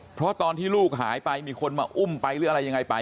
เพราะตอนที่ลูกหายไปมีคนมาอุ้มไปหรืออะไรยังไงไป